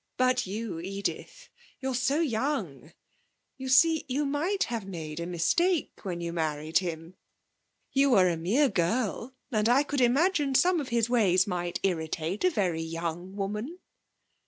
But you, Edith, you're so young. You see, you might have made a mistake when you married him. You were a mere girl, and I could imagine some of his ways might irritate a very young woman.'